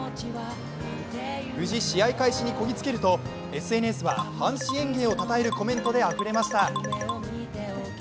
無事、試合開始にこぎ着けるとＳＮＳは阪神園芸をたたえるコメントであふれました。